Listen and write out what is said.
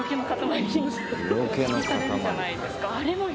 お辞儀されるじゃないですか。